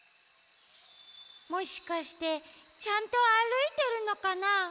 もしかしてちゃんとあるいてるのかな？